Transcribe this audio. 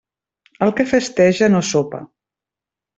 El que festeja no sopa.